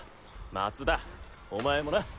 松田お前もな。